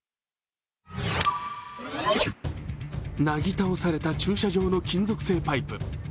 なぎ倒された駐車場の金属製パイプ。